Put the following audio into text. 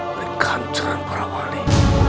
dari khancuran para wali